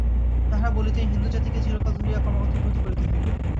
তাঁহারা বলিতেন, হিন্দুজাতিকে চিরকাল ধরিয়া ক্রমাগত উন্নতি করিতে হইবে।